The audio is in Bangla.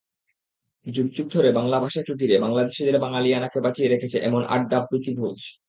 যুগ যুগ ধরে বাংলা ভাষাকে ঘিরে বাংলাদেশিদের বাঙালিয়ানাকে বাঁচিয়ে রেখেছে এমন আড্ডা, প্রীতি-ভোজ।